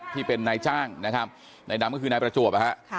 ที่เป็นนายจ้างนะครับนายดำก็คือนายประจวบนะฮะ